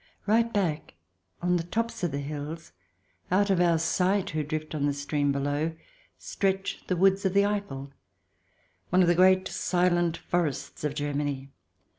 Right back, on the tops of the hills, out of our sight who drift on the stream below, stretch the woods of the Eiffel, one of the great silent forests of Germany.